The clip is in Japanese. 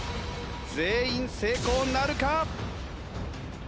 全員成功なるか？